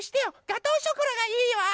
ガトーショコラがいいわ。